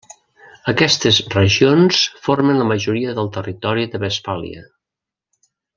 Aquestes regions formen la majoria del territori de Westfàlia.